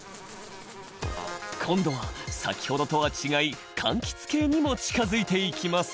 今度は先ほどとは違いかんきつ系にも近づいていきます。